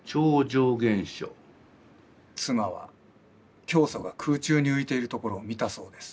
妻は教祖が空中に浮いているところを見たそうです。